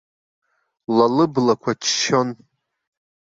Ла лыблақәа ччон.